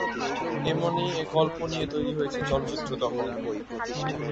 এমনই গল্প নিয়ে তৈরি হয়েছে চলচ্চিত্র দহন।